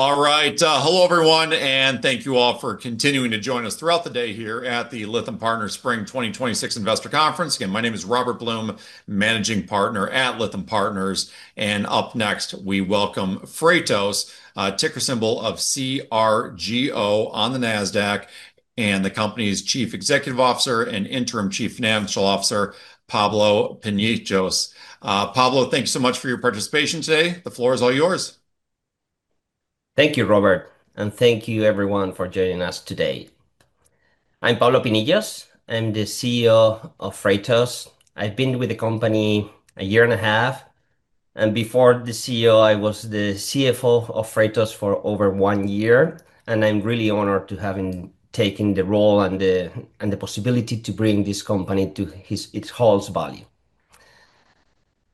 All right. Hello everyone, and thank you all for continuing to join us throughout the day here at the Lytham Partners Spring 2026 Investor Conference. Again, my name is Robert Blum, Managing Partner at Lytham Partners. Up next, we welcome Freightos, ticker symbol of CRGO on the Nasdaq, and the company's Chief Executive Officer and Interim Chief Financial Officer, Pablo Pinillos. Pablo, thank you so much for your participation today. The floor is all yours. Thank you, Robert. Thank you everyone for joining us today. I'm Pablo Pinillos. I'm the CEO of Freightos. I've been with the company a year and a half. Before the CEO, I was the CFO of Freightos for over one year, and I'm really honored to having taken the role and the possibility to bring this company to its highest value.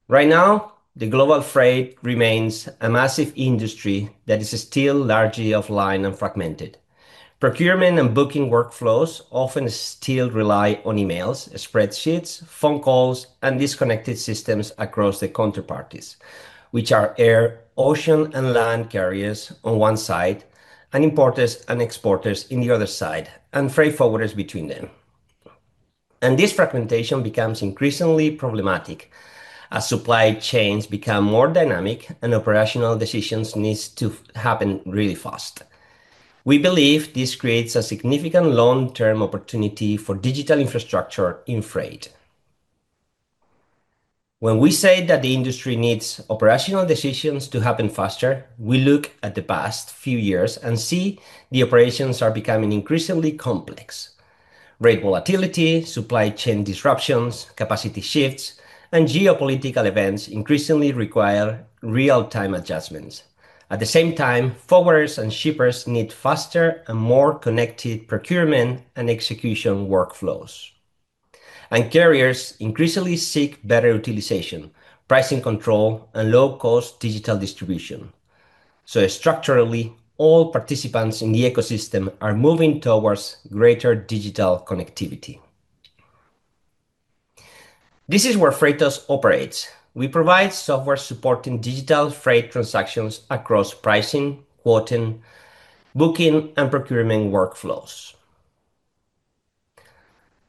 Right now, the global freight remains a massive industry that is still largely offline and fragmented. Procurement and booking workflows often still rely on emails, spreadsheets, phone calls, and disconnected systems across the counterparties, which are air, ocean, and land carriers on one side, and importers and exporters in the other side, and freight forwarders between them. This fragmentation becomes increasingly problematic as supply chains become more dynamic and operational decisions needs to happen really fast. We believe this creates a significant long-term opportunity for digital infrastructure in freight. When we say that the industry needs operational decisions to happen faster, we look at the past few years and see the operations are becoming increasingly complex. Rate volatility, supply chain disruptions, capacity shifts, and geopolitical events increasingly require real-time adjustments. At the same time, forwarders and shippers need faster and more connected procurement and execution workflows. Carriers increasingly seek better utilization, pricing control, and low-cost digital distribution. Structurally, all participants in the ecosystem are moving towards greater digital connectivity. This is where Freightos operates. We provide software supporting digital freight transactions across pricing, quoting, booking, and procurement workflows.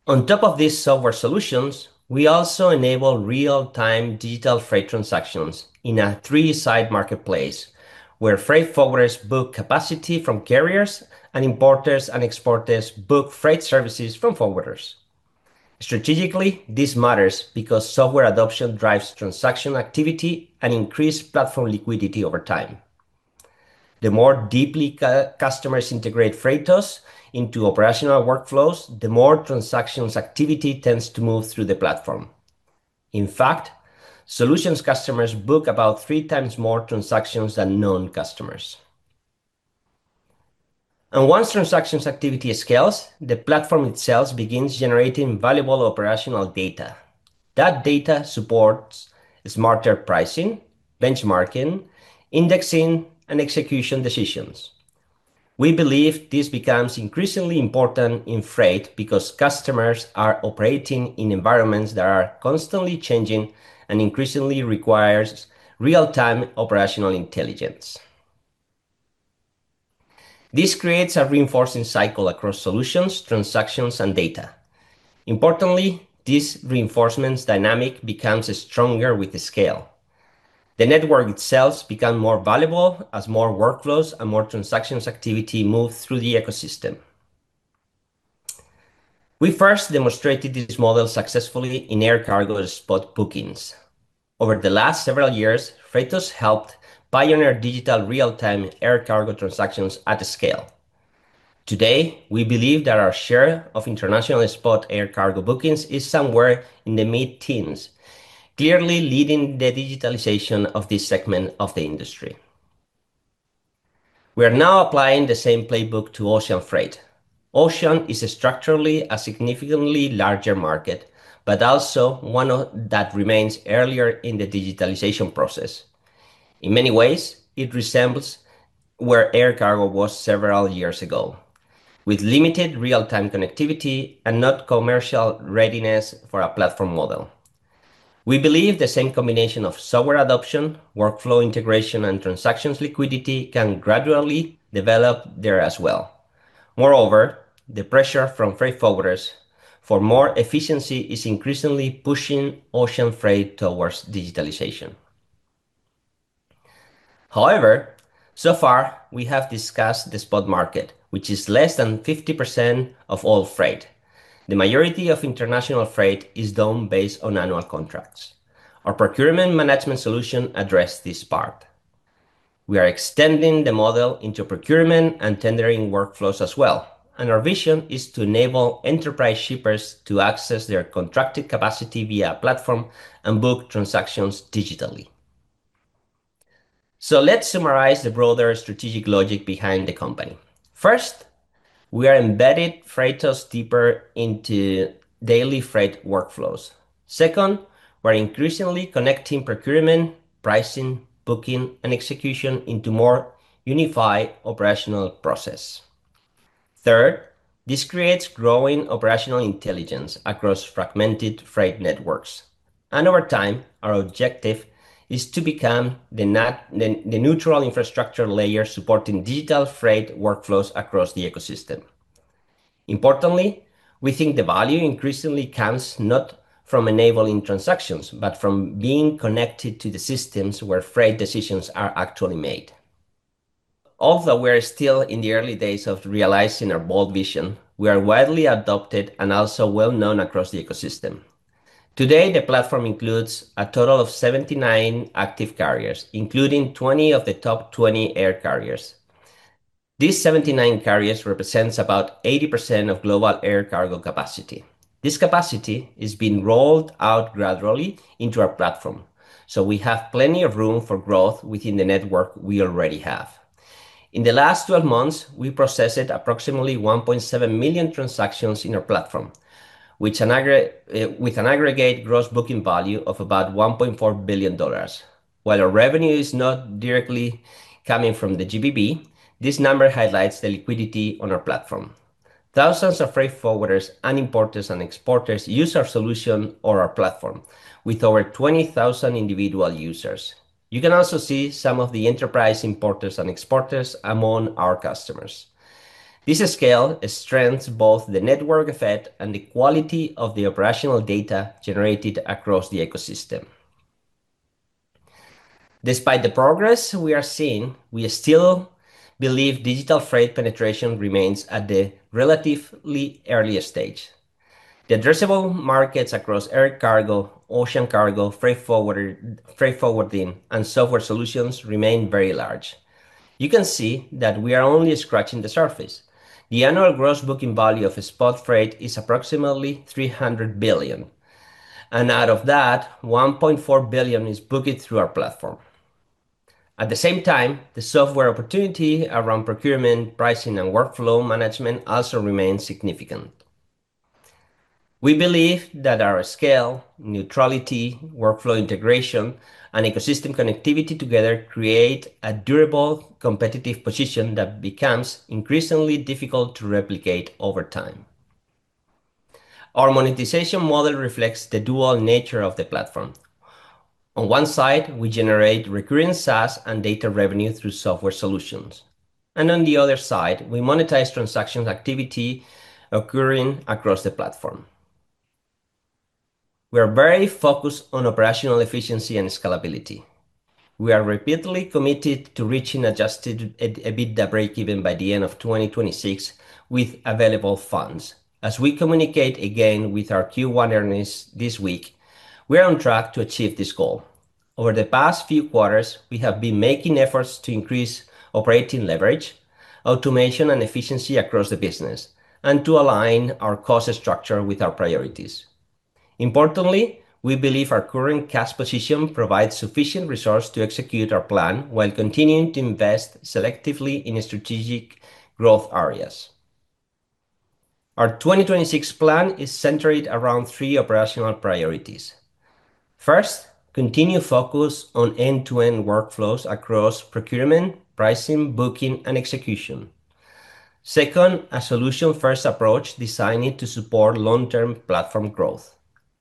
On top of these software solutions, we also enable real-time digital freight transactions in a three-side marketplace, where freight forwarders book capacity from carriers and importers and exporters book freight services from forwarders. Strategically, this matters because software adoption drives transaction activity and increase platform liquidity over time. The more deeply customers integrate Freightos into operational workflows, the more transactions activity tends to move through the platform. In fact, solutions customers book about three times more transactions than non-customers. Once transactions activity scales, the platform itself begins generating valuable operational data. That data supports smarter pricing, benchmarking, indexing, and execution decisions. We believe this becomes increasingly important in freight because customers are operating in environments that are constantly changing and increasingly requires real-time operational intelligence. This creates a reinforcing cycle across solutions, transactions, and data. Importantly, this reinforcement dynamic becomes stronger with the scale. The network itself become more valuable as more workflows and more transactions activity move through the ecosystem. We first demonstrated this model successfully in air cargo spot bookings. Over the last several years, Freightos helped pioneer digital real-time air cargo transactions at scale. Today, we believe that our share of international spot air cargo bookings is somewhere in the mid-teens, clearly leading the digitalization of this segment of the industry. We are now applying the same playbook to ocean freight. Ocean is structurally a significantly larger market, but also one that remains earlier in the digitalization process. In many ways, it resembles where air cargo was several years ago, with limited real-time connectivity and not commercial readiness for a platform model. We believe the same combination of software adoption, workflow integration, and transactions liquidity can gradually develop there as well. Moreover, the pressure from freight forwarders for more efficiency is increasingly pushing ocean freight towards digitalization. However, so far, we have discussed the spot market, which is less than 50% of all freight. The majority of international freight is done based on annual contracts. Our procurement management solution address this part. We are extending the model into procurement and tendering workflows as well. Our vision is to enable enterprise shippers to access their contracted capacity via a platform and book transactions digitally. Let's summarize the broader strategic logic behind the company. First, we are embedding Freightos deeper into daily freight workflows. Second, we're increasingly connecting procurement, pricing, booking, and execution into more unified operational process. Third, this creates growing operational intelligence across fragmented freight networks. Over time, our objective is to become the neutral infrastructure layer supporting digital freight workflows across the ecosystem. Importantly, we think the value increasingly comes not from enabling transactions, but from being connected to the systems where freight decisions are actually made. Although we're still in the early days of realizing our bold vision, we are widely adopted and also well-known across the ecosystem. Today, the platform includes a total of 79 active carriers, including 20 of the top 20 air carriers. These 79 carriers represents about 80% of global air cargo capacity. We have plenty of room for growth within the network we already have. In the last 12 months, we processed approximately 1.7 million transactions in our platform, with an aggregate Gross Booking Value of about $1.4 billion. While our revenue is not directly coming from the GBV, this number highlights the liquidity on our platform. Thousands of freight forwarders and importers and exporters use our solution or our platform, with over 20,000 individual users. You can also see some of the enterprise importers and exporters among our customers. This scale strengthens both the network effect and the quality of the operational data generated across the ecosystem. Despite the progress we are seeing, we still believe digital freight penetration remains at the relatively earliest stage. The addressable markets across air cargo, ocean cargo, freight forwarding, and software solutions remain very large. You can see that we are only scratching the surface. The annual gross booking value of a spot freight is approximately $300 billion, and out of that, $1.4 billion is booked through our platform. At the same time, the software opportunity around procurement, pricing, and workflow management also remains significant. We believe that our scale, neutrality, workflow integration, and ecosystem connectivity together create a durable, competitive position that becomes increasingly difficult to replicate over time. Our monetization model reflects the dual nature of the platform. On one side, we generate recurring SaaS and data revenue through software solutions. On the other side, we monetize transactions activity occurring across the platform. We are very focused on operational efficiency and scalability. We are repeatedly committed to reaching adjusted EBITDA breakeven by the end of 2026 with available funds. As we communicate again with our Q1 earnings this week, we are on track to achieve this goal. Over the past few quarters, we have been making efforts to increase operating leverage, automation, and efficiency across the business, and to align our cost structure with our priorities. Importantly, we believe our current cash position provides sufficient resource to execute our plan while continuing to invest selectively in strategic growth areas. Our 2026 plan is centered around three operational priorities. First, continue focus on end-to-end workflows across procurement, pricing, booking, and execution. Second, a solution-first approach designed to support long-term platform growth.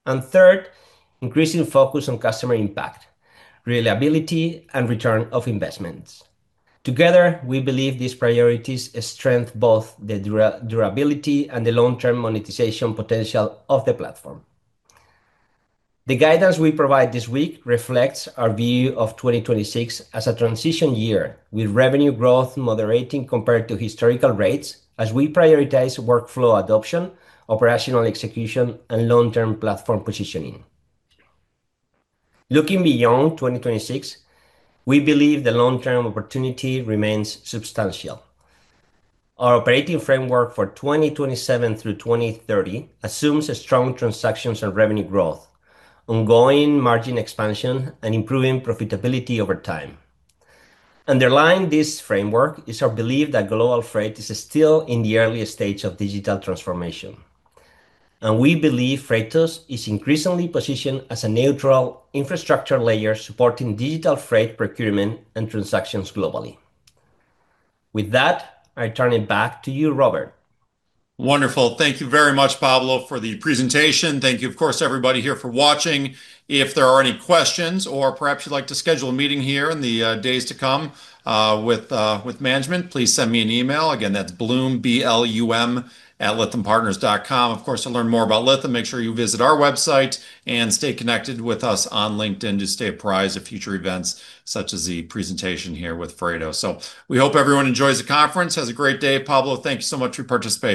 Third, increasing focus on customer impact, reliability, and return of investments. Together, we believe these priorities strengthen both the durability and the long-term monetization potential of the platform. The guidance we provide this week reflects our view of 2026 as a transition year, with revenue growth moderating compared to historical rates, as we prioritize workflow adoption, operational execution, and long-term platform positioning. Looking beyond 2026, we believe the long-term opportunity remains substantial. Our operating framework for 2027 through 2030 assumes strong transactions and revenue growth, ongoing margin expansion, and improving profitability over time. Underlying this framework is our belief that global freight is still in the earliest stage of digital transformation. We believe Freightos is increasingly positioned as a neutral infrastructure layer, supporting digital freight procurement and transactions globally. With that, I turn it back to you, Robert. Wonderful. Thank you very much, Pablo, for the presentation. Thank you, of course, everybody here for watching. If there are any questions or perhaps you'd like to schedule a meeting here in the days to come with management, please send me an email. Again, that's Blum, B-L-U-M, @lythampartners.com. Of course, to learn more about Lytham, make sure you visit our website and stay connected with us on LinkedIn to stay apprised of future events, such as the presentation here with Freightos. We hope everyone enjoys the conference. Has a great day. Pablo, thank you so much for your participation.